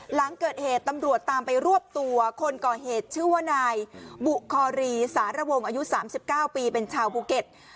หลังเกิดเหตุตำรวจตามไปรวบตัวคนก่อเหตุชื่อว่านายบุคอรีสารวงอายุ๓๙ปีเป็นชาวภูเก็ต